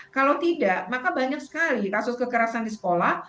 kalau tidak maka banyak sekali kasus kekerasan di sekolah